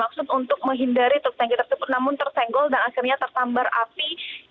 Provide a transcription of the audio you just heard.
maksud untuk menghindari truk tanki tersebut namun tersenggol dan akhirnya tertambar api